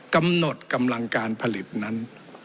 กำหนดกำลังการผลิตนั้น